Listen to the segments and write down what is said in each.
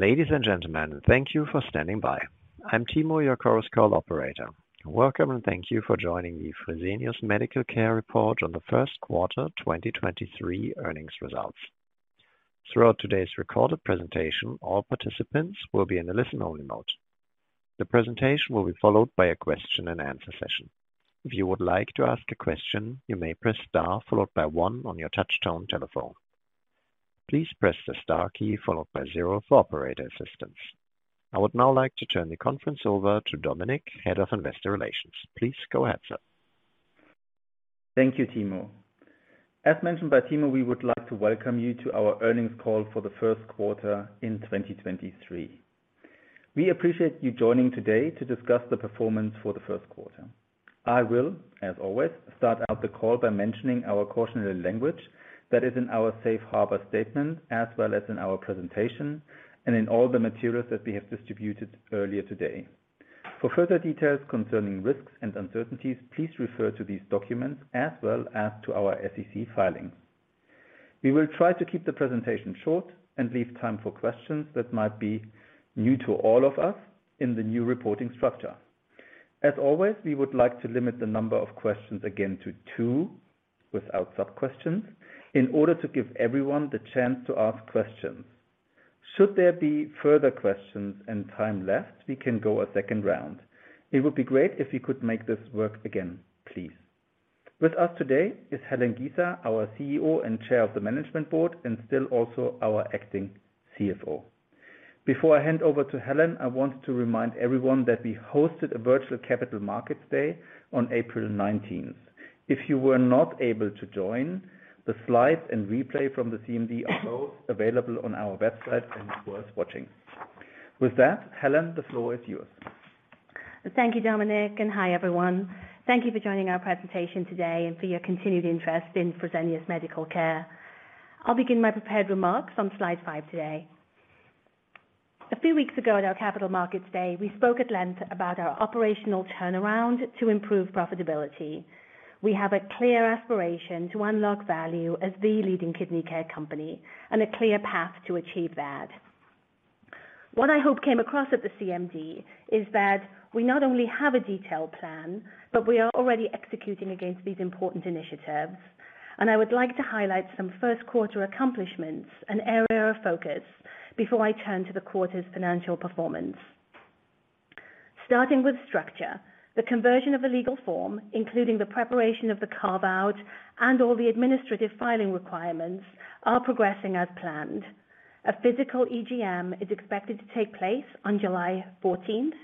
Ladies and gentlemen, thank you for standing by. I'm Timo, your Chorus Call operator. Welcome, and thank you for joining the Fresenius Medical Care report on the Q1 2023 earnings results. Throughout today's recorded presentation, all participants will be in a listen-only mode. The presentation will be followed by a question and answer session. If you would like to ask a question, you may press star followed by one on your touchtone telephone. Please press the star key followed by zero for operator assistance. I would now like to turn the conference over to Dominik, head of investor relations. Please go ahead, sir. Thank you, Timo. As mentioned by Timo, we would like to welcome you to our earnings call for the Q1 in 2023. We appreciate you joining today to discuss the performance for the Q1. I will, as always, start out the call by mentioning our cautionary language that is in our safe harbor statement, as well as in our presentation and in all the materials that we have distributed earlier today. For further details concerning risks and uncertainties, please refer to these documents as well as to our SEC filings. We will try to keep the presentation short and leave time for questions that might be new to all of us in the new reporting structure. As always, we would like to limit the number of questions again to two, without sub questions, in order to give everyone the chance to ask questions. Should there be further questions and time left, we can go a second round. It would be great if we could make this work again, please. With us today is Helen Giza, our CEO and Chair of the Management Board, and still also our acting CFO. Before I hand over to Helen, I want to remind everyone that we hosted a virtual Capital Markets Day on April nineteenth. If you were not able to join, the slides and replay from the CMD are both available on our website and worth watching. With that, Helen, the floor is yours. Thank you, Dominik. Hi everyone. Thank you for joining our presentation today and for your continued interest in Fresenius Medical Care. I'll begin my prepared remarks on slide five today. A few weeks ago at our Capital Markets Day, we spoke at length about our operational turnaround to improve profitability. We have a clear aspiration to unlock value as the leading kidney care company and a clear path to achieve that. What I hope came across at the CMD is that we not only have a detailed plan, but we are already executing against these important initiatives. I would like to highlight some Q1 accomplishments and area of focus before I turn to the quarter's financial performance. Starting with structure, the conversion of the legal form, including the preparation of the carve-out and all the administrative filing requirements, are progressing as planned. A physical EGM is expected to take place on July 14th.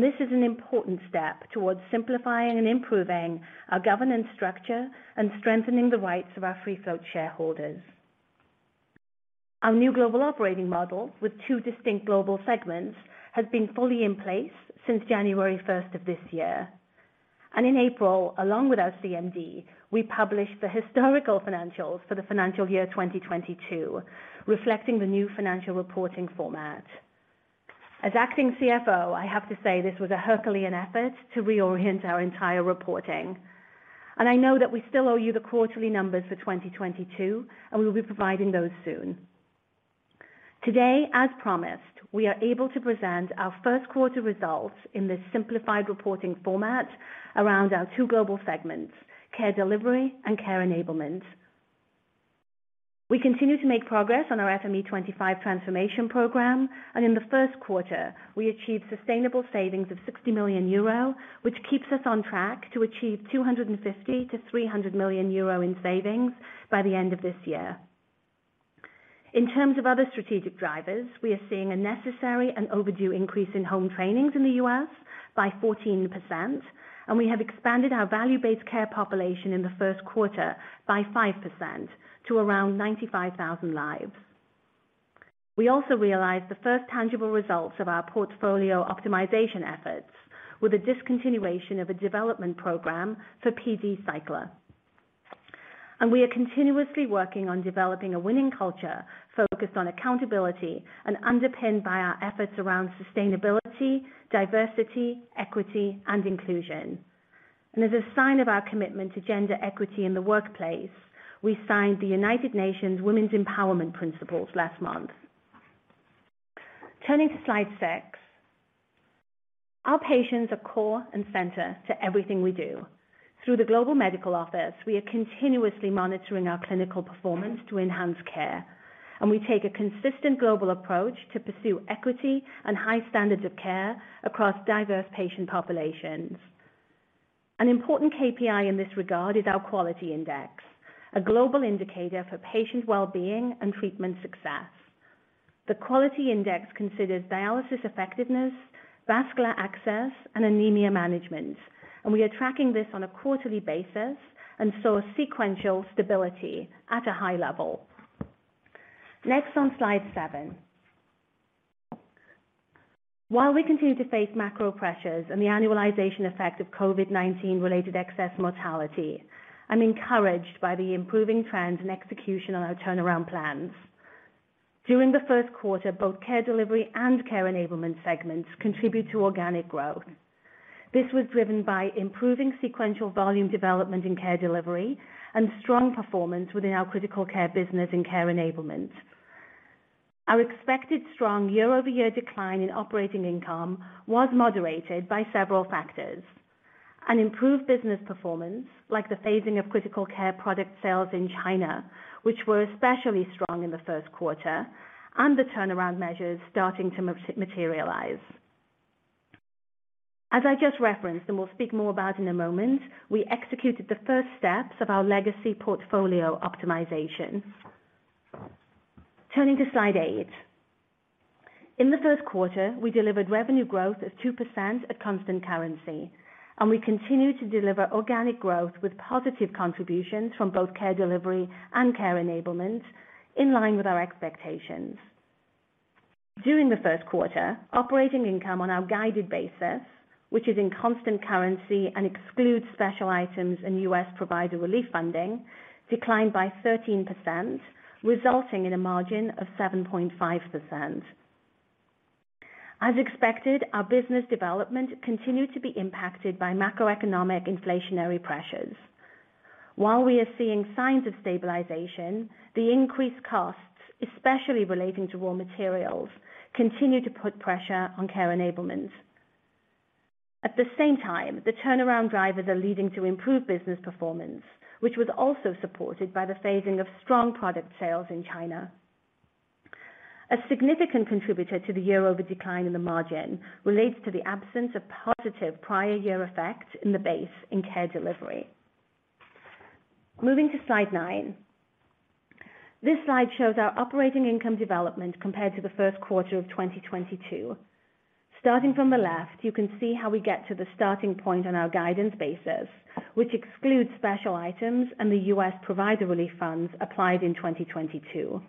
This is an important step towards simplifying and improving our governance structure and strengthening the rights of our free float shareholders. Our new global operating model with two distinct global segments has been fully in place since January 1st of this year. In April, along with our CMD, we published the historical financials for the FY 2022, reflecting the new financial reporting format. As acting CFO, I have to say this was a herculean effort to reorient our entire reporting. I know that we still owe you the quarterly numbers for 2022. We will be providing those soon. Today, as promised, we are able to present our Q1 results in this simplified reporting format around our two global segments: Care Delivery and Care Enablement. We continue to make progress on our FME25 transformation program. In the Q1 we achieved sustainable savings of 60 million euro, which keeps us on track to achieve 250 million-300 million euro in savings by the end of this year. In terms of other strategic drivers, we are seeing a necessary and overdue increase in home trainings in the US by 14%. We have expanded our value-based care population in the Q1 by 5% to around 95,000 lives. We also realized the first tangible results of our portfolio optimization efforts with a discontinuation of a development program for PD cycler. We are continuously working on developing a winning culture focused on accountability and underpinned by our efforts around sustainability, diversity, equity and inclusion. As a sign of our commitment to gender equity in the workplace, we signed the United Nations Women's Empowerment Principles last month. Turning to slide six. Our patients are core and center to everything we do. Through the Global Medical Office, we are continuously monitoring our clinical performance to enhance care. We take a consistent global approach to pursue equity and high standards of care across diverse patient populations. An important KPI in this regard is our quality index, a global indicator for patient well-being and treatment success. The quality index considers dialysis effectiveness, vascular access, and anemia management. We are tracking this on a quarterly basis and saw sequential stability at a high level. Next on slide seven. While we continue to face macro pressures and the annualization effect of COVID-19 related excess mortality, I'm encouraged by the improving trends and execution on our turnaround plans. During the Q1, both Care Delivery and Care Enablement segments contribute to organic growth. This was driven by improving sequential volume development in Care Delivery and strong performance within our critical care business in Care Enablement. Our expected strong year-over-year decline in operating income was moderated by several factors. An improved business performance, like the phasing of critical care product sales in China, which were especially strong in the Q1, and the turnaround measures starting to materialize. As I just referenced, and will speak more about in a moment, I executed the first steps of our legacy portfolio optimization. Turning to slide eight. In the Q1, we delivered revenue growth of 2% at constant currency. We continue to deliver organic growth with positive contributions from both Care Delivery and Care Enablement in line with our expectations. During the Q1, operating income on our guided basis, which is in constant currency and excludes special items and US provider relief funding, declined by 13%, resulting in a margin of 7.5%. As expected, our business development continued to be impacted by macroeconomic inflationary pressures. While we are seeing signs of stabilization, the increased costs, especially relating to raw materials, continue to put pressure on Care Enablement. The turnaround drivers are leading to improved business performance, which was also supported by the phasing of strong product sales in China. A significant contributor to the year-over-year decline in the margin relates to the absence of positive prior year effects in the base in Care Delivery. Moving to slide nine. This slide shows our operating income development compared to the Q1 of 2022. Starting from the left, you can see how we get to the starting point on our guidance basis, which excludes special items and the US provider relief funds applied in 2022.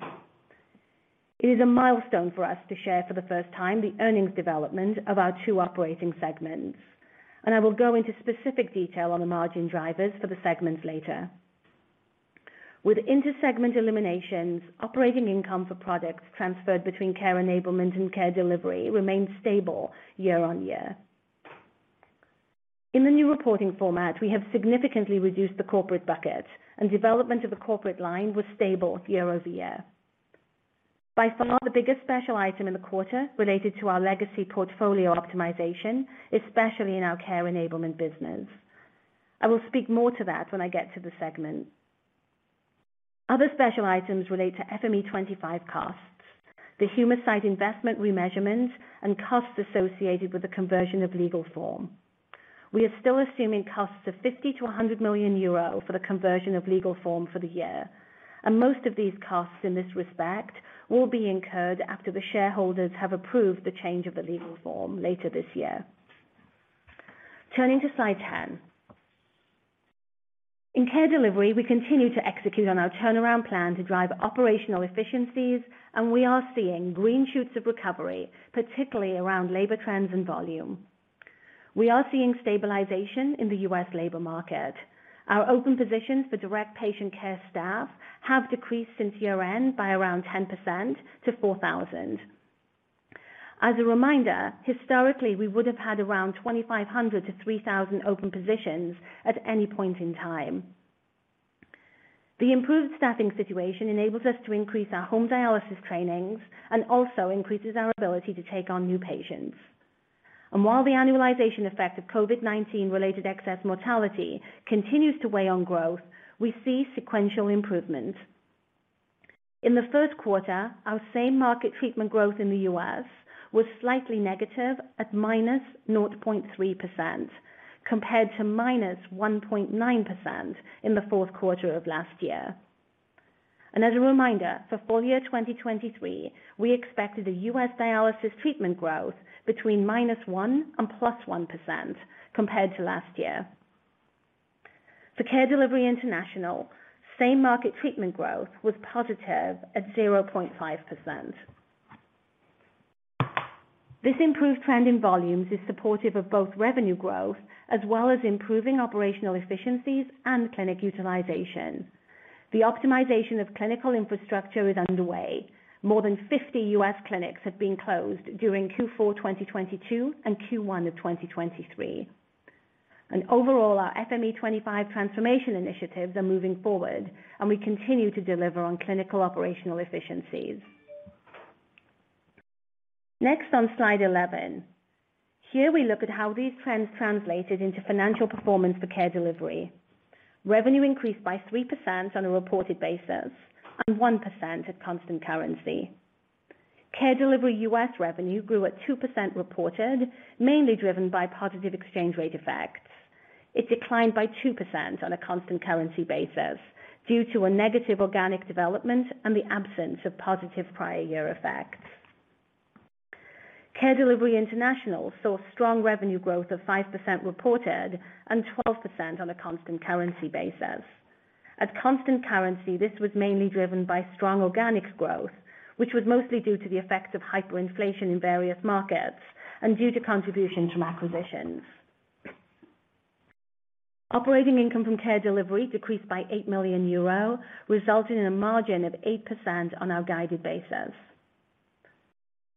It is a milestone for us to share for the first time the earnings development of our two operating segments. I will go into specific detail on the margin drivers for the segments later. With inter-segment eliminations, operating income for products transferred between Care Enablement and Care Delivery remained stable year-over-year. In the new reporting format, we have significantly reduced the corporate bucket and development of the corporate line was stable year-over-year. By far, the biggest special item in the quarter related to our legacy portfolio optimization, especially in our Care Enablement business. I will speak more to that when I get to the segment. Other special items relate to FME25 costs, the human side investment remeasurement, and costs associated with the conversion of legal form. We are still assuming costs of 50 million-100 million euro for the conversion of legal form for the year. Most of these costs in this respect will be incurred after the shareholders have approved the change of the legal form later this year. Turning to slide 10. In Care Delivery, we continue to execute on our turnaround plan to drive operational efficiencies, and we are seeing green shoots of recovery, particularly around labor trends and volume. We are seeing stabilization in the US labor market. Our open positions for direct patient care staff have decreased since year-end by around 10% to 4,000. As a reminder, historically, we would have had around 2,500-3,000 open positions at any point in time. The improved staffing situation enables us to increase our home dialysis trainings and also increases our ability to take on new patients. While the annualization effect of COVID-19 related excess mortality continues to weigh on growth, we see sequential improvement. In the Q1, our same market treatment growth in the US was slightly negative at -0.3%, compared to -1.9% in the Q4 of last year. As a reminder, for full year 2023, we expected a US dialysis treatment growth between -1% and +1% compared to last year. For Care Delivery International, same market treatment growth was positive at 0.5%. This improved trend in volumes is supportive of both revenue growth as well as improving operational efficiencies and clinic utilization. The optimization of clinical infrastructure is underway. More than 50 US clinics have been closed during Q4 2022 and Q1 of 2023. Overall, our FME25 transformation initiatives are moving forward, and we continue to deliver on clinical operational efficiencies. Next on slide 11. Here we look at how these trends translated into financial performance for Care Delivery. Revenue increased by 3% on a reported basis and 1% at constant currency. Care Delivery US revenue grew at 2% reported, mainly driven by positive exchange rate effects. It declined by 2% on a constant currency basis due to a negative organic development and the absence of positive prior year effects. Care Delivery International saw strong revenue growth of 5% reported and 12% on a constant currency basis. At constant currency, this was mainly driven by strong organics growth, which was mostly due to the effects of hyperinflation in various markets and due to contributions from acquisitions. Operating income from Care Delivery decreased by 8 million euro, resulting in a margin of 8% on our guided basis.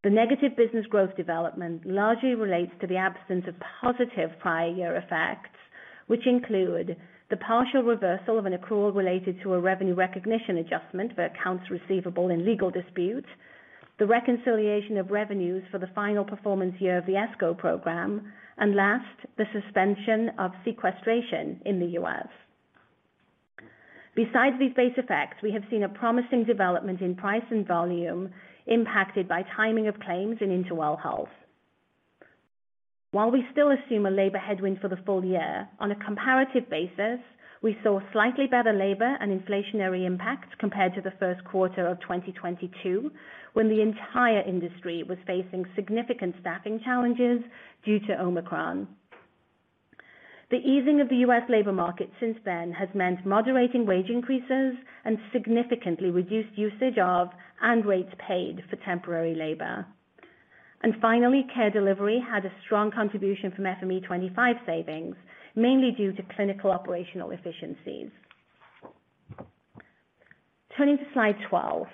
The negative business growth development largely relates to the absence of positive prior year effects, which include the partial reversal of an accrual related to a revenue recognition adjustment for accounts receivable in legal disputes, the reconciliation of revenues for the final performance year of the ESCO program, and last, the suspension of sequestration in the US Besides these base effects, we have seen a promising development in price and volume impacted by timing of claims in Interwell Health. While we still assume a labor headwind for the full year, on a comparative basis, we saw slightly better labor and inflationary impact compared to the Q1 of 2022, when the entire industry was facing significant staffing challenges due to Omicron. The easing of the US labor market since then has meant moderating wage increases and significantly reduced usage of, and rates paid for temporary labor. Finally, Care Delivery had a strong contribution from FME25 savings, mainly due to clinical operational efficiencies. Turning to slide 12.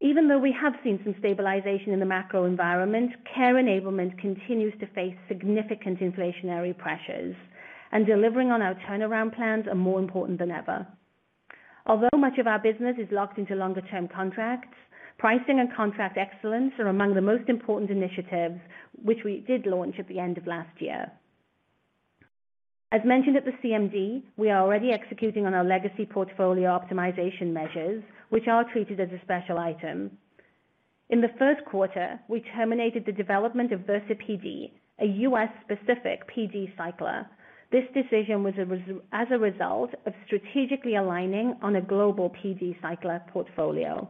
Even though we have seen some stabilization in the macro environment, Care Enablement continues to face significant inflationary pressures, and delivering on our turnaround plans are more important than ever. Although much of our business is locked into longer term contracts, pricing and contract excellence are among the most important initiatives which we did launch at the end of last year. As mentioned at the CMD, we are already executing on our legacy portfolio optimization measures, which are treated as a special item. In the Q1, we terminated the development of VersaPD, a US-specific PD cycler. This decision was as a result of strategically aligning on a global PD cycler portfolio.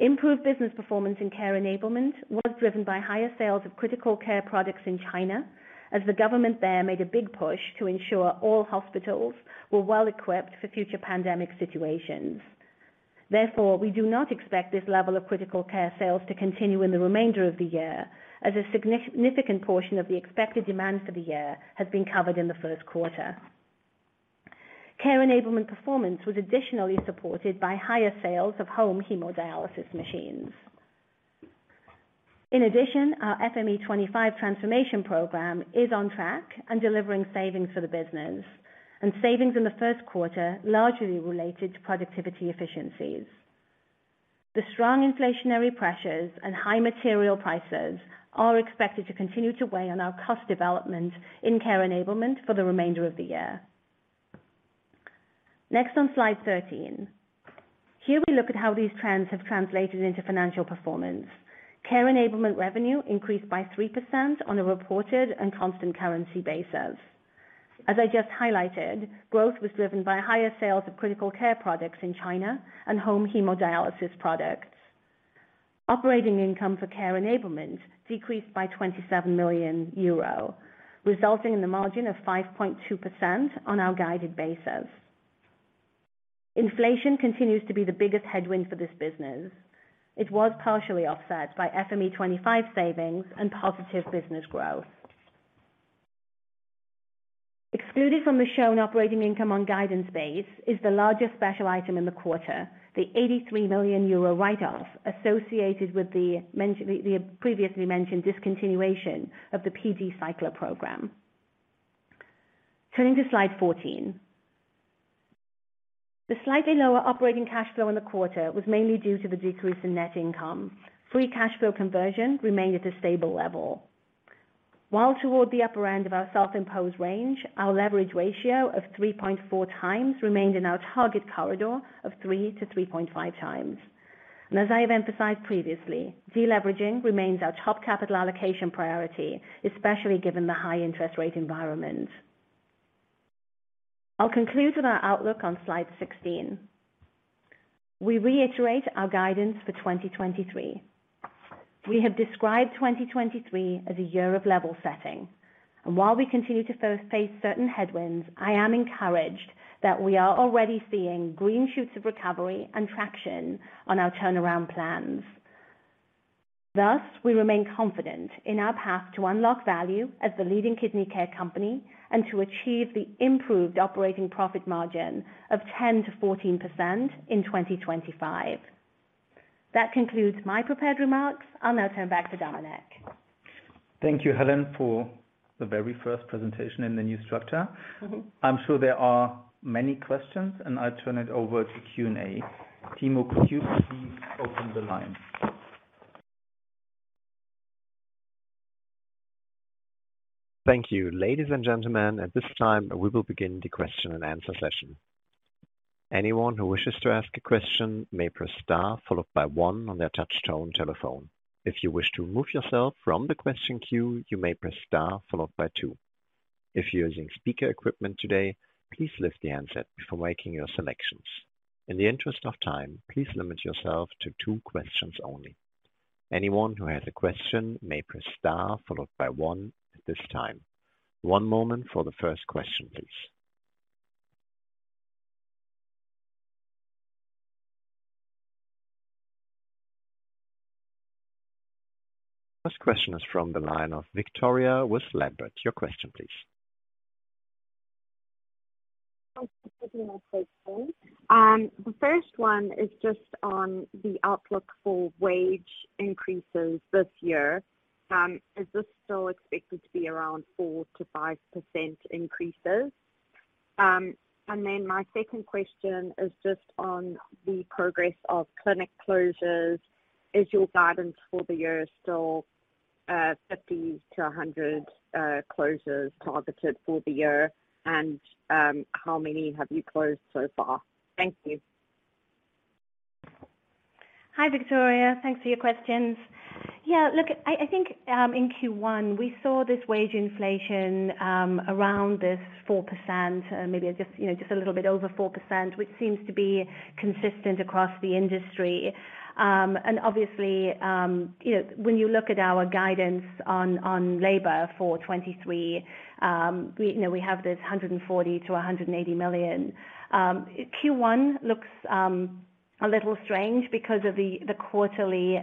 Improved business performance in Care Enablement was driven by higher sales of critical care products in China as the government there made a big push to ensure all hospitals were well equipped for future pandemic situations. Therefore, we do not expect this level of critical care sales to continue in the remainder of the year as a significant portion of the expected demand for the year has been covered in the Q1. Care Enablement performance was additionally supported by higher sales of home hemodialysis machines. Our FME25 transformation program is on track and delivering savings for the business, and savings in the Q1 largely related to productivity efficiencies. The strong inflationary pressures and high material prices are expected to continue to weigh on our cost development in Care Enablement for the remainder of the year. On slide 13. Here we look at how these trends have translated into financial performance. Care Enablement revenue increased by 3% on a reported and constant currency basis. As I just highlighted, growth was driven by higher sales of critical care products in China and home hemodialysis products. Operating income for Care Enablement decreased by EUR 27 million, resulting in a margin of 5.2% on our guided basis. Inflation continues to be the biggest headwind for this business. It was partially offset by FME25 savings and positive business growth. Excluded from the shown operating income on guidance base is the largest special item in the quarter. The 83 million euro write-off associated with the previously mentioned discontinuation of the PD cycler program. Turning to slide 14. The slightly lower operating cash flow in the quarter was mainly due to the decrease in net income. Free cash flow conversion remained at a stable level. While toward the upper end of our self-imposed range, our leverage ratio of 3.4 times remained in our target corridor of 3-3.5 times. As I have emphasized previously, deleveraging remains our top capital allocation priority, especially given the high interest rate environment. I'll conclude with our outlook on slide 16. We reiterate our guidance for 2023. We have described 2023 as a year of level setting. While we continue to face certain headwinds, I am encouraged that we are already seeing green shoots of recovery and traction on our turnaround plans. Thus, we remain confident in our path to unlock value as the leading kidney care company and to achieve the improved operating profit margin of 10%-14% in 2025. That concludes my prepared remarks. I'll now turn back to Dominik. Thank you, Helen, for the very first presentation in the new structure. Mm-hmm. I'm sure there are many questions, and I turn it over to Q&A. Timo, could you please open the line. Thank you. Ladies and gentlemen, at this time, we will begin the question and answer session. Anyone who wishes to ask a question may press star followed by one on their touch tone telephone. If you wish to remove yourself from the question queue, you may press star followed by two. If you're using speaker equipment today, please lift the handset before making your selections. In the interest of time, please limit yourself to two questions only. Anyone who has a question may press star followed by one at this time. One moment for the first question, please. First question is from the line of Victoria with Lambert. Your question please. The first one is just on the outlook for wage increases this year. Is this still expected to be around 4-5% increases? My second question is just on the progress of clinic closures. Is your guidance for the year still, 50-100, closures targeted for the year? How many have you closed so far? Thank you. Hi, Victoria. Thanks for your questions. Yeah, look, I think, in Q1 we saw this wage inflation, around this 4%, maybe just, you know, just a little bit over 4%, which seems to be consistent across the industry. Obviously, you know, when you look at our guidance on labor for 2023, we, you know, have this 140 million-180 million. Q1 looks a little strange because of the quarterly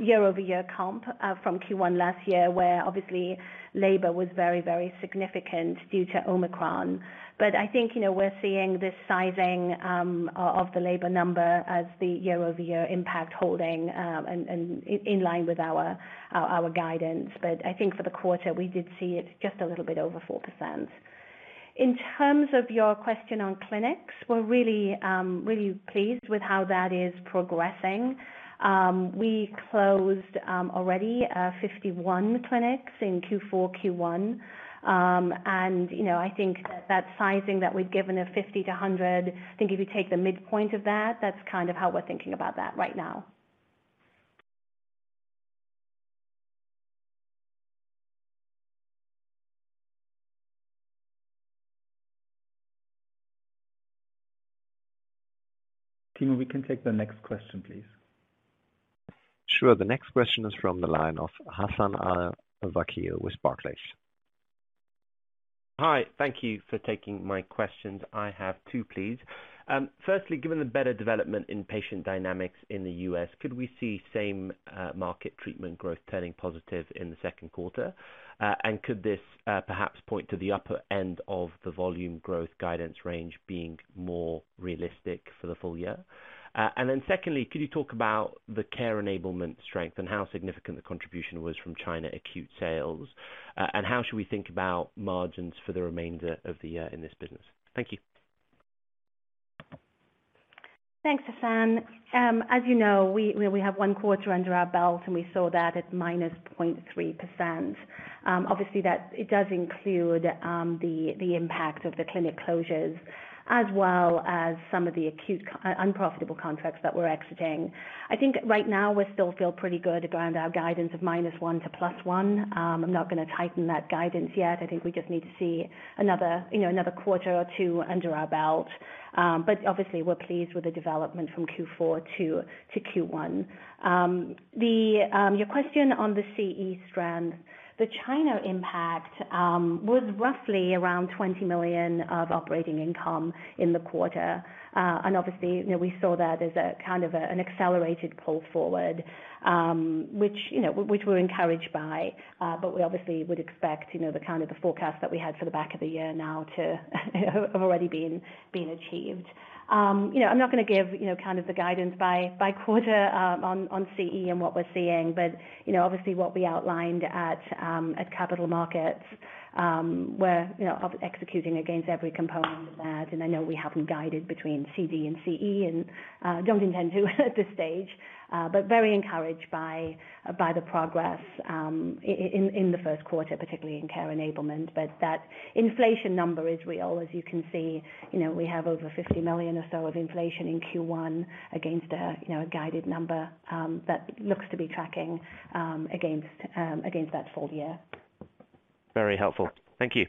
year-over-year comp from Q1 last year, where obviously labor was very, very significant due to Omicron. I think, you know, we're seeing this sizing of the labor number as the year-over-year impact holding, and in line with our guidance. I think for the quarter, we did see it just a little bit over 4%. In terms of your question on clinics, we're really pleased with how that is progressing. We closed already 51 clinics in Q4, Q1. And, you know, I think that that sizing that we've given of 50-100, I think if you take the midpoint of that's kind of how we're thinking about that right now. Timo, we can take the next question, please. Sure. The next question is from the line of Hassan Al-Wakeel with Barclays. Hi. Thank you for taking my questions. I have two, please. Firstly, given the better development in patient dynamics in the US, could we see same market treatment growth turning positive in the Q2? Could this perhaps point to the upper end of the volume growth guidance range being more realistic for the full year? Secondly, could you talk about the Care Enablement strength and how significant the contribution was from China acute sales? How should we think about margins for the remainder of the year in this business? Thank you. Thanks, Hassan. As you know, we have one quarter under our belt. We saw that at -0.3%. Obviously that it does include the impact of the clinic closures as well as some of the acute unprofitable contracts that we're exiting. I think right now we still feel pretty good around our guidance of -1% to +1%. I'm not gonna tighten that guidance yet. I think we just need to see another, you know, another quarter or two under our belt. Obviously we're pleased with the development from Q4 to Q1. The your question on the CE strand. The China impact was roughly around 20 million of operating income in the quarter. Obviously, you know, we saw that as a kind of an accelerated pull forward, which, you know, which we're encouraged by. We obviously would expect, you know, the kind of the forecast that we had for the back of the year now to have already been achieved. You know, I'm not gonna give, you know, kind of the guidance by quarter, on CE and what we're seeing. You know, obviously what we outlined at Capital Markets, we're, you know, executing against every component of that. I know we haven't guided between CD and CE, and don't intend to at this stage. Very encouraged by the progress, in the Q1, particularly in Care Enablement. That inflation number is real. As you can see, you know, we have over 50 million or so of inflation in Q1 against a, you know, a guided number, that looks to be tracking, against that full year. Very helpful. Thank you.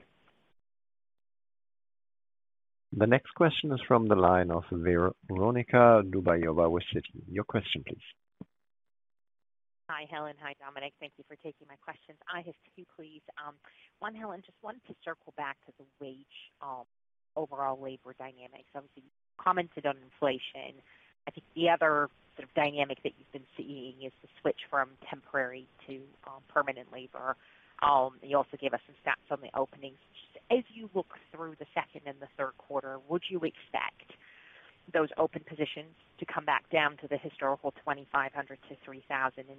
The next question is from the line of Veronika Dubajová with Citi. Your question please. Hi, Helen. Hi, Dominik. Thank you for taking my questions. I have two, please. One, Helen, just wanted to circle back to the wage, overall labor dynamics. Obviously you commented on inflation. I think the other sort of dynamic that you've been seeing is the switch from temporary to permanent labor. You also gave us some stats on the openings. As you look through the second and the third quarter, would you expect those open positions to come back down to the historical 2,500-3,000?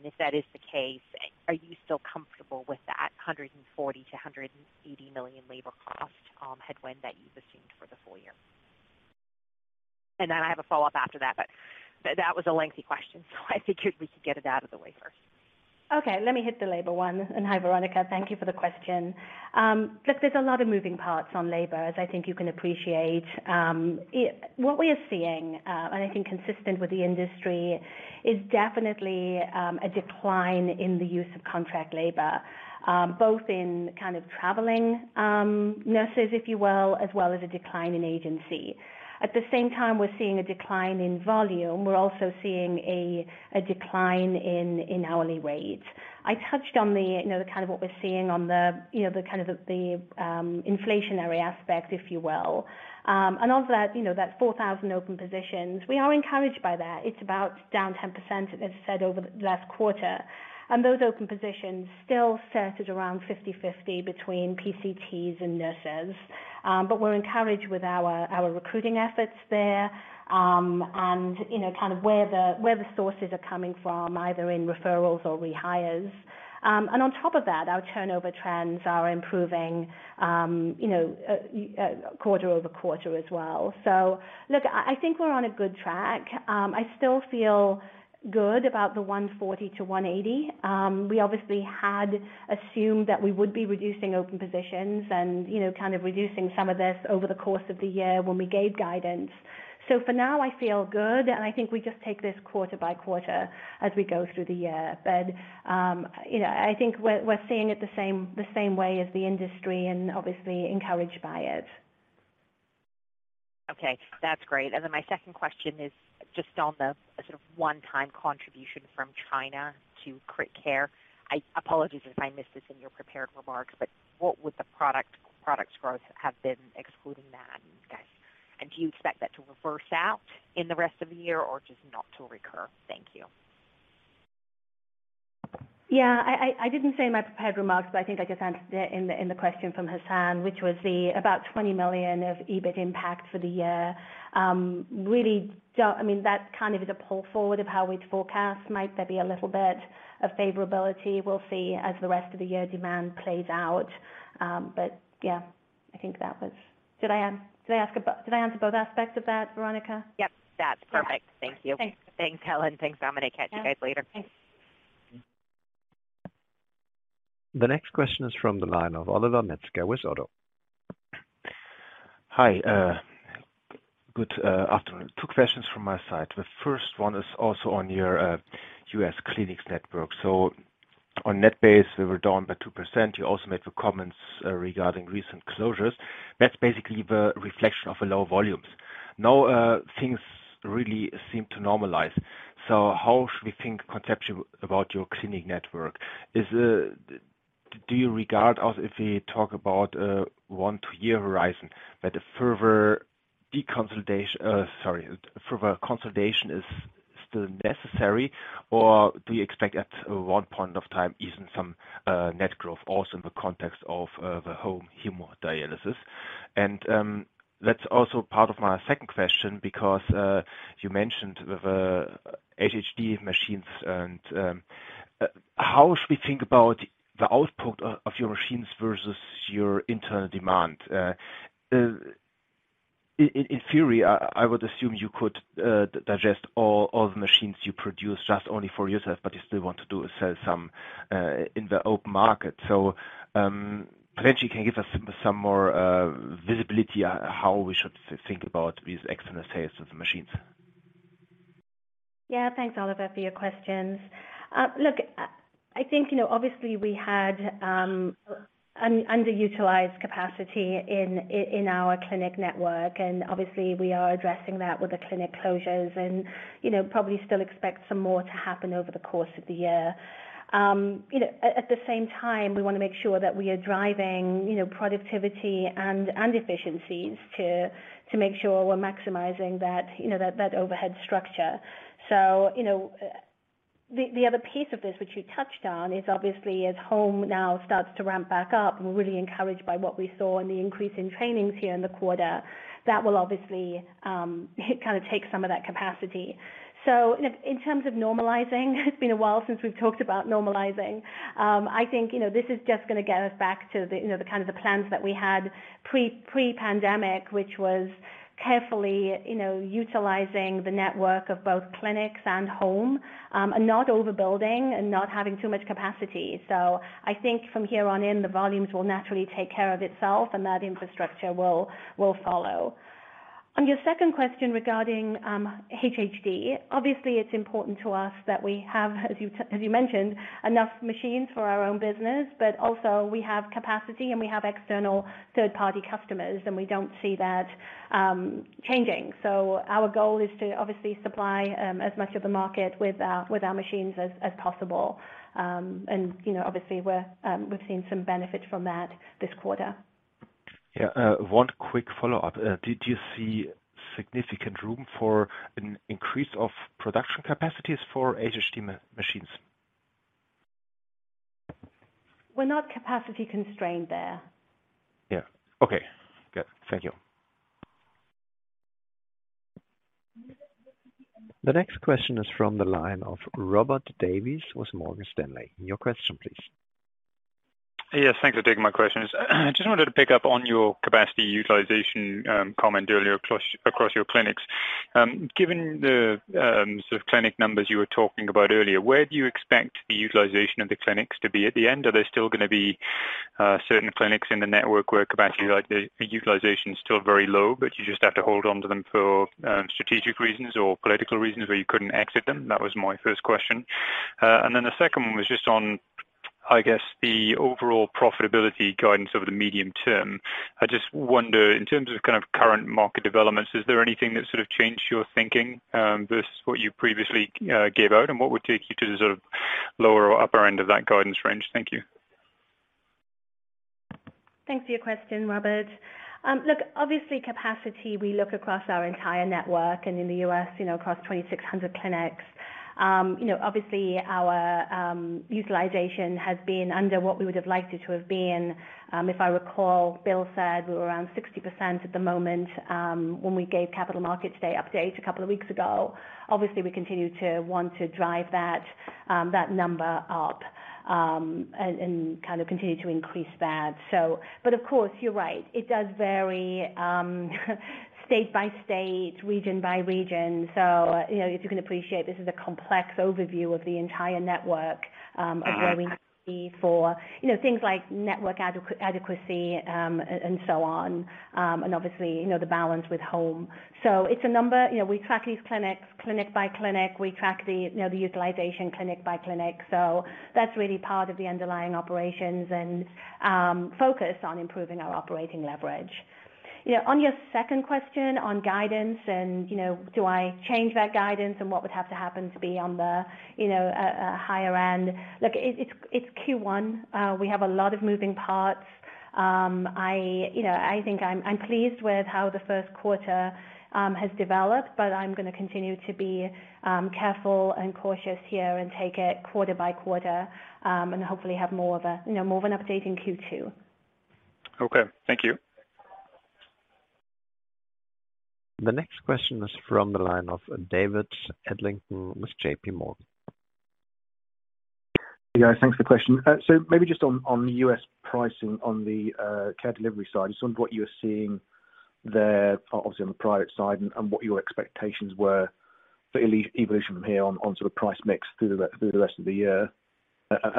If that is the case, are you still comfortable with that 140 million-180 million labor cost headwind that you've assumed for the full year? I have a follow-up after that. That was a lengthy question, so I figured we could get it out of the way. Okay, let me hit the labor one. Hi, Veronika. Thank you for the question. Look, there's a lot of moving parts on labor, as I think you can appreciate. What we are seeing, and I think consistent with the industry is definitely a decline in the use of contract labor, both in kind of traveling nurses, if you will, as well as a decline in agency. At the same time, we're seeing a decline in volume. We're also seeing a decline in hourly rates. I touched on the, you know, the kind of what we're seeing on the, you know, the kind of the inflationary aspect, if you will. Of that, you know, that 4,000 open positions, we are encouraged by that. It's about down 10%, as I said, over the last quarter. Those open positions still sit at around 50/50 between PCTs and nurses. We're encouraged with our recruiting efforts there, and you know, kind of where the, where the sources are coming from, either in referrals or rehires. On top of that, our turnover trends are improving, you know, quarter-over-quarter as well. Look, I think we're on a good track. I still feel good about the 140-180. We obviously had assumed that we would be reducing open positions and, you know, kind of reducing some of this over the course of the year when we gave guidance. For now, I feel good, and I think we just take this quarter by quarter as we go through the year. you know, I think we're seeing it the same way as the industry and obviously encouraged by it. Okay, that's great. My second question is just on the sort of one-time contribution from China to crit care. Apologies if I missed this in your prepared remarks, but what would the products growth have been excluding that guys? Do you expect that to reverse out in the rest of the year or just not to recur? Thank you. I didn't say in my prepared remarks, but I think I just answered it in the question from Hassan, which was the about 20 million of EBIT impact for the year. I mean, that kind of is a pull forward of how we'd forecast. Might there be a little bit of favorability? We'll see as the rest of the year demand plays out. Did I answer both aspects of that, Veronica? Yep, that's perfect. Perfect. Thank you. Thanks. Thanks, Helen. Thanks, Dominik. Catch you guys later. Thanks. The next question is from the line of Oliver Metzger with ODDO BHF. Hi, good afternoon. Two questions from my side. The first one is also on your US clinics network. On net base, we were down by 2%. You also made the comments regarding recent closures. That's basically the reflection of the low volumes. Now, things really seem to normalize. How should we think conceptually about your clinic network? Do you regard us if we talk about a one-year horizon, that a further consolidation is still necessary? Do you expect at one point of time, even some net growth also in the context of the home hemodialysis? That's also part of my second question, because you mentioned the HHD machines and how should we think about the output of your machines versus your internal demand? In theory, I would assume you could digest all the machines you produce just only for yourself, but you still want to sell some in the open market. Potentially, can you give us some more visibility on how we should think about these external sales of the machines? Yeah. Thanks, Oliver, for your questions. look, I think, you know, obviously we had underutilized capacity in our clinic network, and obviously we are addressing that with the clinic closures and, you know, probably still expect some more to happen over the course of the year. you know, at the same time, we want to make sure that we are driving, you know, productivity and efficiencies to make sure we're maximizing that, you know, that overhead structure. The other piece of this, which you touched on, is obviously as home now starts to ramp back up, we're really encouraged by what we saw and the increase in trainings here in the quarter. That will obviously kind of take some of that capacity. In terms of normalizing, it's been a while since we've talked about normalizing. I think, you know, this is just gonna get us back to the, you know, the kind of the plans that we had pre-pandemic, which was carefully, you know, utilizing the network of both clinics and home, and not overbuilding and not having too much capacity. I think from here on in, the volumes will naturally take care of itself and that infrastructure will follow. On your second question regarding HHD. Obviously it's important to us that we have, as you mentioned, enough machines for our own business, but also we have capacity and we have external third-party customers and we don't see that changing. Our goal is to obviously supply as much of the market with our machines as possible. And, you know, obviously we're, we've seen some benefit from that this quarter. Yeah. One quick follow-up. Did you see significant room for an increase of production capacities for HHD machines? We're not capacity constrained there. Yeah. Okay. Good. Thank you. The next question is from the line of Robert Davies with Morgan Stanley. Your question please. Yes, thanks for taking my questions. I just wanted to pick up on your capacity utilization comment earlier across your clinics. Given the sort of clinic numbers you were talking about earlier, where do you expect the utilization of the clinics to be at the end? Are there still gonna be certain clinics in the network where capacity like the utilization is still very low, but you just have to hold on to them for strategic reasons or political reasons where you couldn't exit them? That was my first question. The second one was just on, I guess, the overall profitability guidance over the medium term. I just wonder, in terms of kind of current market developments, is there anything that sort of changed your thinking, versus what you previously gave out, and what would take you to the sort of lower or upper end of that guidance range? Thank you. Thanks for your question, Robert. Look, obviously capacity, we look across our entire network and in the US, you know, across 2,600 clinics. You know, obviously our utilization has been under what we would have liked it to have been. If I recall, Bill said we were around 60% at the moment, when we gave Capital Markets their update a couple of weeks ago. Obviously, we continue to want to drive that number up and kind of continue to increase that. Of course, you're right. It does vary state by state, region by region. You know, if you can appreciate, this is a complex overview of the entire network, of where we see for, you know, things like network adequacy and so on, and obviously, you know, the balance with home. It's a number. You know, we track these clinics, clinic by clinic. We track the, you know, the utilization clinic by clinic. That's really part of the underlying operations and focus on improving our operating leverage. You know, on your second question on guidance and, you know, do I change that guidance and what would have to happen to be on the, you know, a higher end. Look, it's Q one. We have a lot of moving parts. I, you know, I think I'm pleased with how the Q1 has developed, but I'm gonna continue to be careful and cautious here and take it quarter by quarter and hopefully have more of a, you know, more of an update in Q two. Okay. Thank you. The next question is from the line of David Adlington with J.P. Morgan. Yeah, thanks for the question. Maybe just on US pricing on the Care Delivery side, just on what you're seeing there, obviously on the private side and what your expectations were for evolution from here on sort of price mix through the rest of the year.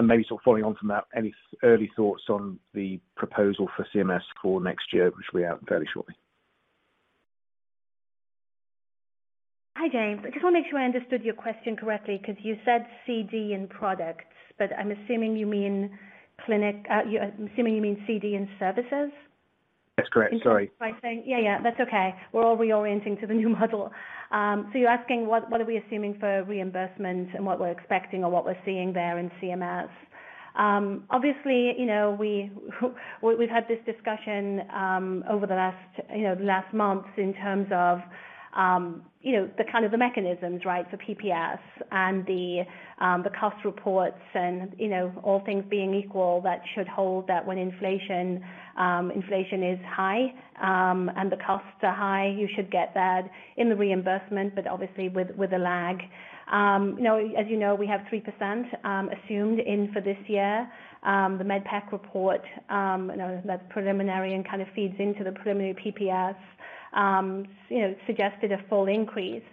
Maybe sort of following on from that, any early thoughts on the proposal for CMS for next year, which will be out fairly shortly. Hi, James. I just want to make sure I understood your question correctly because you said CD and products, but I'm assuming you mean CD and services. That's correct. Sorry. Yeah, yeah. That's okay. We're all reorienting to the new model. You're asking what are we assuming for reimbursement and what we're expecting or what we're seeing there in CMS. You know, we've had this discussion over the last, you know, the last months in terms of, you know, the kind of the mechanisms, right, for PPS and the cost reports and, you know, all things being equal that should hold that when inflation is high, and the costs are high, you should get that in the reimbursement, but obviously with a lag. You know, as you know, we have 3% assumed in for this year. The MedPAC report, you know, that's preliminary and kind of feeds into the preliminary PPS, you know, suggested a full increase.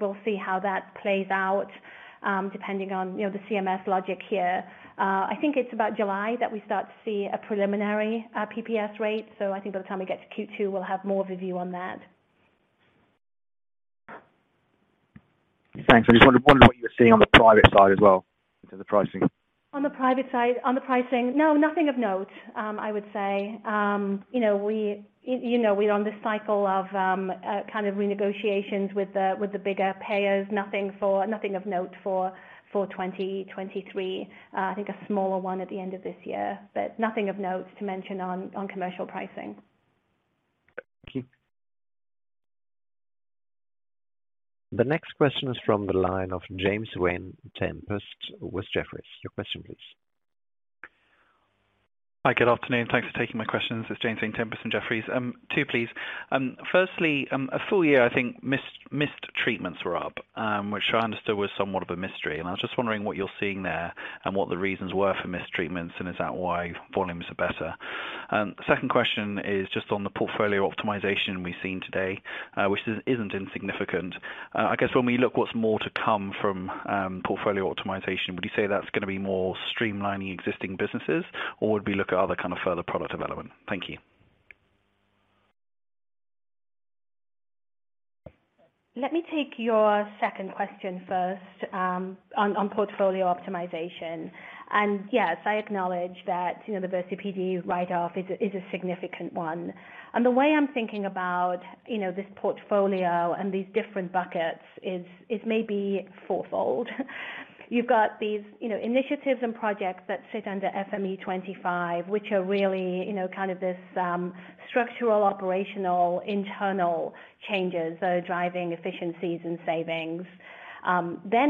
We'll see how that plays out, depending on, you know, the CMS logic here. I think it's about July that we start to see a preliminary, PPS rate. I think by the time we get to Q2, we'll have more of a view on that. Thanks. I just wonder what you're seeing on the private side as well to the pricing. On the private side, on the pricing, no, nothing of note, I would say. You know, we, you know, we're on this cycle of, kind of renegotiations with the, with the bigger payers, nothing of note for 2023. I think a smaller one at the end of this year, but nothing of note to mention on commercial pricing. Thank you. The next question is from the line of James Vane-Tempest with Jefferies. Your question, please. Hi, good afternoon. Thanks for taking my questions. It's James Vane-Tempest from Jefferies. Two, please. Firstly, a full year, I think, missed treatments were up, which I understood was somewhat of a mystery. I was just wondering what you're seeing there and what the reasons were for missed treatments, and is that why volumes are better? Second question is just on the portfolio optimization we've seen today, which isn't insignificant. I guess when we look what's more to come from portfolio optimization, would you say that's gonna be more streamlining existing businesses, or would we look at other kind of further product development? Thank you. Let me take your second question first, on portfolio optimization. Yes, I acknowledge that, you know, the VersaPD write-off is a significant one. The way I'm thinking about, you know, this portfolio and these different buckets is maybe fourfold. You've got these, you know, initiatives and projects that sit under FME25, which are really, you know, kind of this structural, operational, internal changes that are driving efficiencies and savings.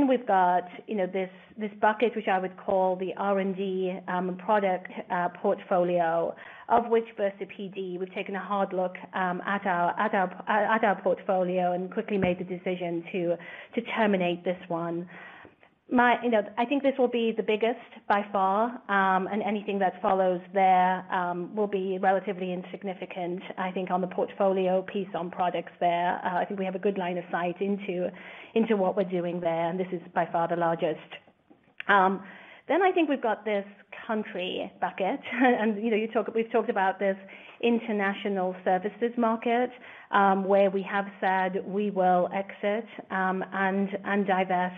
We've got, you know, this bucket, which I would call the R&D product portfolio of which VersaPD we've taken a hard look at our portfolio and quickly made the decision to terminate this one. My You know, I think this will be the biggest by far, and anything that follows there, will be relatively insignificant. I think on the portfolio piece, on products there, I think we have a good line of sight into what we're doing there, and this is by far the largest. I think we've got this country bucket. You know, we've talked about this international services market, where we have said we will exit and divest,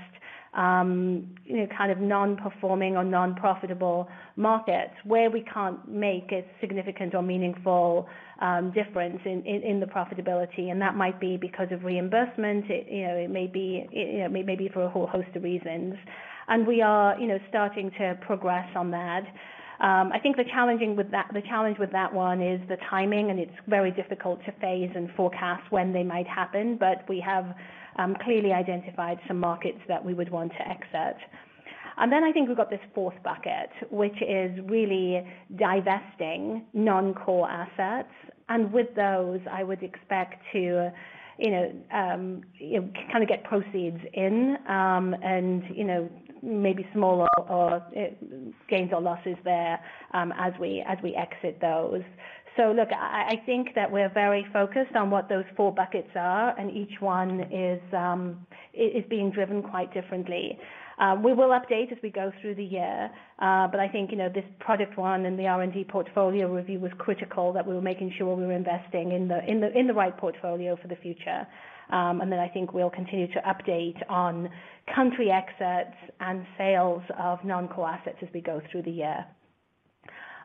you know, kind of non-performing or non-profitable markets where we can't make a significant or meaningful difference in the profitability. That might be because of reimbursement. It may be for a whole host of reasons. We are, you know, starting to progress on that. I think the challenge with that one is the timing, and it's very difficult to phase and forecast when they might happen. We have clearly identified some markets that we would want to exit. I think we've got this fourth bucket, which is really divesting non-core assets. With those, I would expect to, you know, you know, kind of get proceeds in, and, you know, maybe smaller or gains or losses there, as we exit those. Look, I think that we're very focused on what those four buckets are, and each one is being driven quite differently. We will update as we go through the year, but I think, you know, this product one and the R&D portfolio review was critical, that we were making sure we were investing in the right portfolio for the future. I think we'll continue to update on country exits and sales of non-core assets as we go through the year.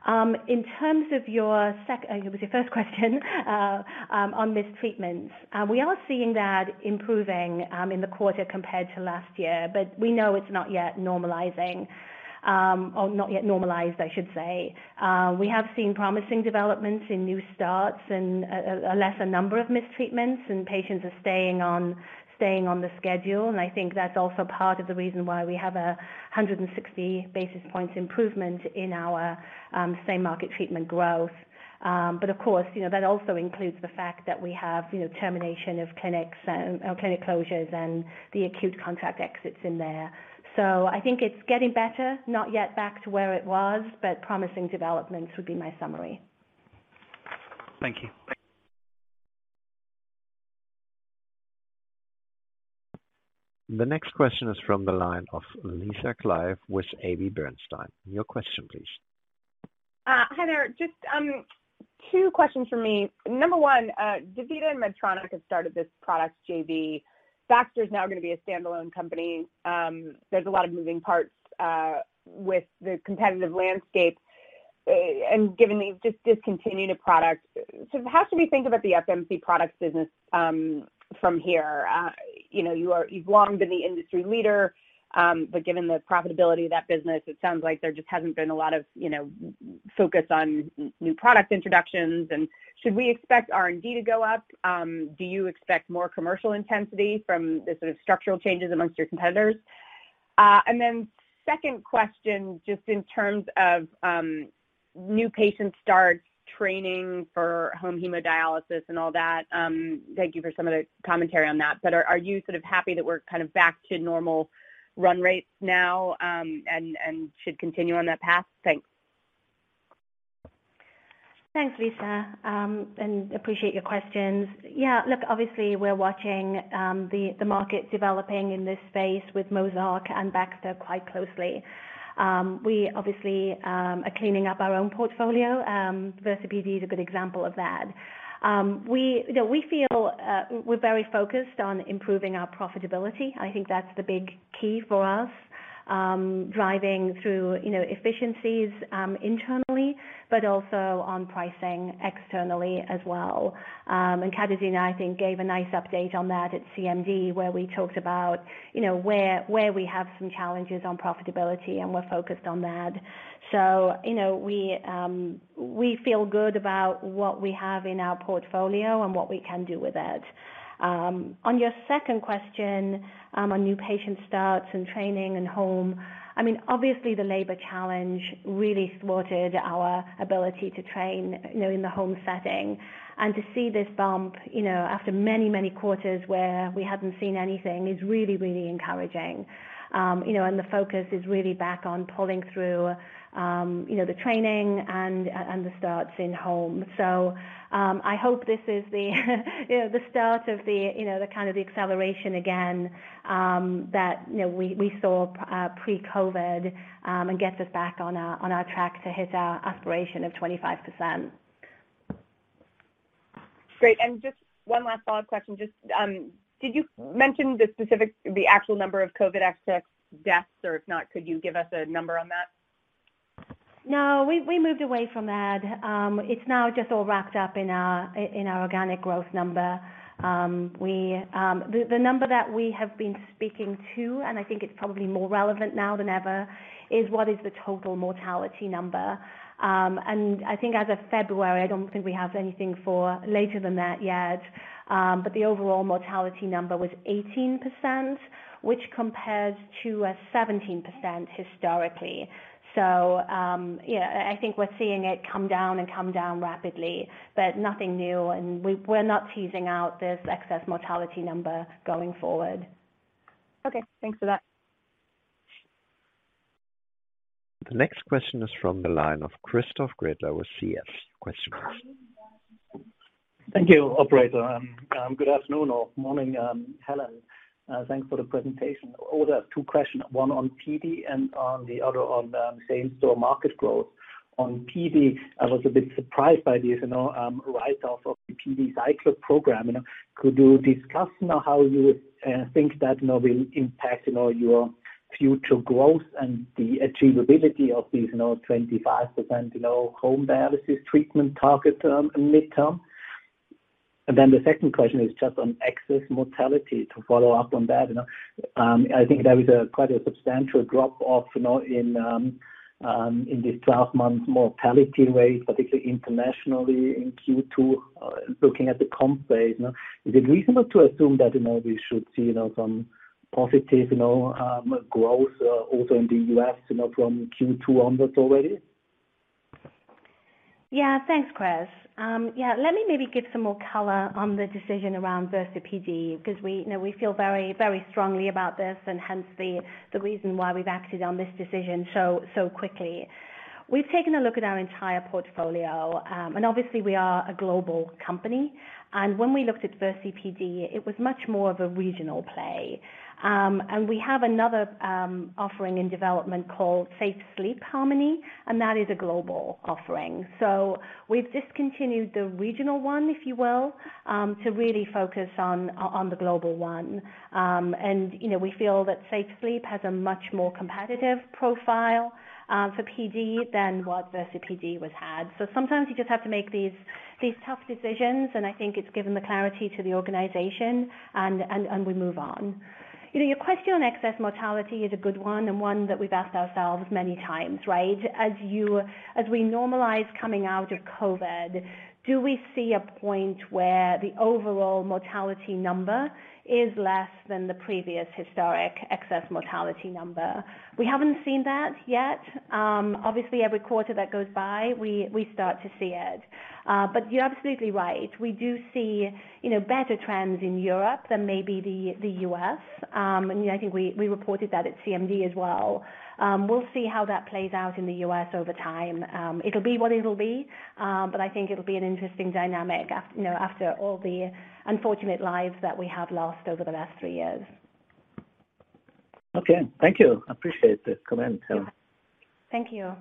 In terms of your first question on mistreatments. We are seeing that improving in the quarter compared to last year. We know it's not yet normalizing. Not yet normalized, I should say. We have seen promising developments in new starts and a lesser number of mistreatments and patients are staying on the schedule. I think that's also part of the reason why we have 160 basis points improvement in our same market treatment growth. Of course, you know, that also includes the fact that we have, you know, termination of clinics or clinic closures and the acute contract exits in there. I think it's getting better. Not yet back to where it was, but promising developments would be my summary. Thank you. The next question is from the line of Lisa Clive with AB Bernstein. Your question, please. Hi there. Just two questions from me. Number one, DaVita and Medtronic have started this product JV. Baxter is now gonna be a standalone company. There's a lot of moving parts with the competitive landscape, and given the just discontinued products. How should we think about the FMC products business from here? You know, you've long been the industry leader, but given the profitability of that business, it sounds like there just hasn't been a lot of, you know, focus on new product introductions. Should we expect R&D to go up? Do you expect more commercial intensity from the sort of structural changes amongst your competitors? Then second question, just in terms of new patient starts training for home hemodialysis and all that, thank you for some of the commentary on that. Are you sort of happy that we're kind of back to normal run rates now, and should continue on that path? Thanks. Thanks, Lisa. Appreciate your questions. Yeah, look, obviously we're watching the market developing in this space with Mozarc Medical and Baxter quite closely. We obviously are cleaning up our own portfolio. VersaPD is a good example of that. We, you know, we feel we're very focused on improving our profitability. I think that's the big key for us, driving through, you know, efficiencies internally, but also on pricing externally as well. Kadina, I think, gave a nice update on that at CMD, where we talked about, you know, where we have some challenges on profitability, and we're focused on that. You know, we feel good about what we have in our portfolio and what we can do with it. On your second question, on new patient starts and training and home. I mean, obviously the labor challenge really thwarted our ability to train, you know, in the home setting. To see this bump, you know, after many, many quarters where we hadn't seen anything is really, really encouraging. The focus is really back on pulling through, you know, the training and the starts in home. I hope this is the, you know, the start of the, you know, the kind of the acceleration again, that, you know, we saw pre-COVID and gets us back on our track to hit our aspiration of 25%. Great. Just one last follow-up question. Did you mention the actual number of COVID excess deaths, or if not, could you give us a number on that? No, we moved away from that. It's now just all wrapped up in our organic growth number. We, the number that we have been speaking to, and I think it's probably more relevant now than ever, is what is the total mortality number. I think as of February, I don't think we have anything for later than that yet, but the overall mortality number was 18%, which compares to a 17% historically. I think we're seeing it come down and come down rapidly, but nothing new. We're not teasing out this excess mortality number going forward. Okay. Thanks for that. The next question is from the line of Christoph Gretler with CS. Question, Christoph. Thank you operator. Good afternoon or morning, Helen. Thanks for the presentation. Order two questions, one on PD and on the other on same store market growth. On PD, I was a bit surprised by this, you know, write off of the PD cycler program, you know. Could you discuss now how you think that now will impact, you know, your future growth and the achievability of these, you know, 25%, you know, home dialysis treatment target term in the midterm? Then the second question is just on excess mortality to follow up on that, you know. I think there is a quite a substantial drop off, you know, in this 12-month mortality rate, particularly internationally in Q2, looking at the comp base, you know. Is it reasonable to assume that, you know, we should see, you know, some positive, you know, growth, also in the US, you know, from Q2 onwards already? Yeah. Thanks, Chris. Yeah, let me maybe give some more color on the decision around VersaPD, because we, you know, we feel very, very strongly about this and hence the reason why we've acted on this decision so quickly. We've taken a look at our entire portfolio. Obviously we are a global company. When we looked at VersaPD, it was much more of a regional play. We have another offering in development called sleep•safe harmony, and that is a global offering. So we've discontinued the regional one, if you will, to really focus on the global one. You know, we feel that sleep•safe has a much more competitive profile for PD than what VersaPD has had. Sometimes you just have to make these tough decisions and I think it's given the clarity to the organization and we move on. You know, your question on excess mortality is a good one and one that we've asked ourselves many times, right? As we normalize coming out of COVID, do we see a point where the overall mortality number is less than the previous historic excess mortality number? We haven't seen that yet. Obviously every quarter that goes by we start to see it. You're absolutely right. We do see, you know, better trends in Europe than maybe the US and I think we reported that at CMD as well. We'll see how that plays out in the US over time. It'll be what it'll be. I think it'll be an interesting dynamic, you know, after all the unfortunate lives that we have lost over the last 3 years. Okay. Thank you. Appreciate the comment. Yeah. Thank you.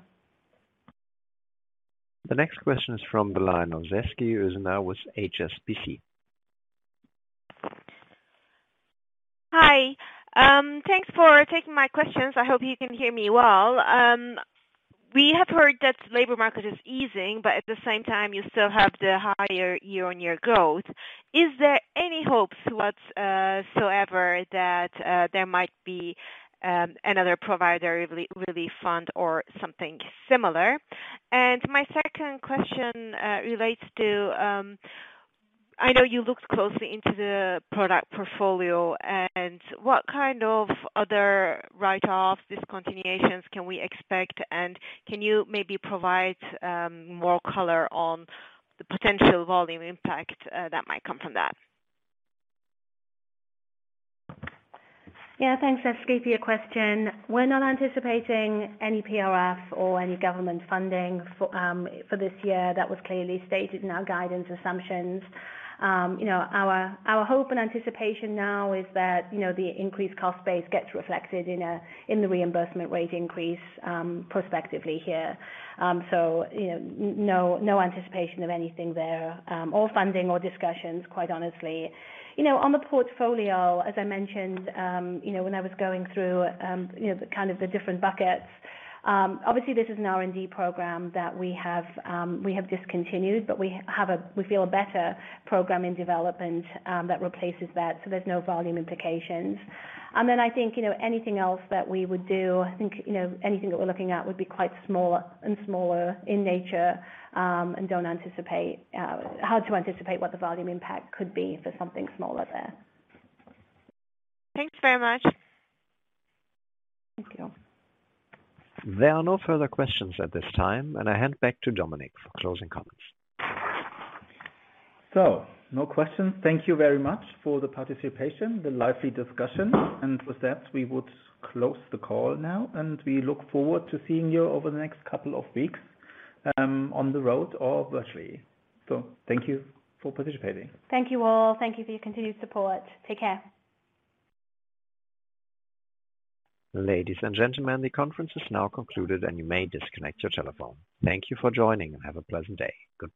The next question is from the line of Sezgi, who's now with HSBC. Hi. Thanks for taking my questions. I hope you can hear me well. We have heard that labor market is easing, at the same time you still have the higher year-on-year growth. Is there any hopes whatsoever that there might be another provider re-relief fund or something similar? My second question relates to, I know you looked closely into the product portfolio and what kind of other write off discontinuations can we expect? Can you maybe provide more color on the potential volume impact that might come from that? Yeah. Thanks, Sezgi for your question. We're not anticipating any PRF or any government funding for this year. That was clearly stated in our guidance assumptions. You know, our hope and anticipation now is that, you know, the increased cost base gets reflected in the reimbursement rate increase prospectively here. You know, no anticipation of anything there or funding or discussions, quite honestly. You know, on the portfolio, as I mentioned, you know, when I was going through, you know, kind of the different buckets, obviously this is an R&D program that we have discontinued. We feel a better program in development that replaces that, there's no volume implications. I think, you know, anything else that we would do, I think, you know, anything that we're looking at would be quite small and smaller in nature, and don't anticipate, hard to anticipate what the volume impact could be for something smaller there. Thanks very much. Thank you. There are no further questions at this time, and I hand back to Dominik for closing comments. No questions. Thank you very much for the participation, the lively discussion. With that, we would close the call now and we look forward to seeing you over the next couple of weeks, on the road or virtually. Thank you for participating. Thank you all. Thank you for your continued support. Take care. Ladies and gentlemen, the conference is now concluded and you may disconnect your telephone. Thank you for joining and have a pleasant day. Goodbye.